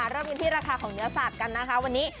เริ่มกันที่ราคาของเนื้อสัตว์กันนะคะวันนี้